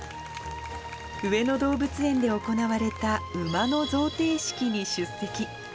上野動物園で行われた馬の贈呈式に出席。